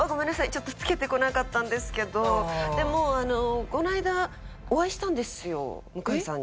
ちょっと着けてこなかったんですけどでもこの間お会いしたんですよ向井さんに。